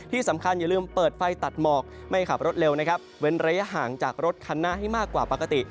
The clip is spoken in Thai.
อย่าลืมเปิดไฟตัดหมอกไม่ขับรถเร็วนะครับเว้นระยะห่างจากรถคันหน้าให้มากกว่าปกติ